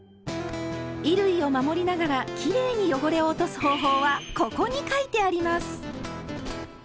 衣類を守りながらきれいに汚れを落とす方法は「ここ」に書いてあります！